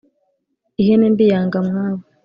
Ihene mbi yanga mwabo.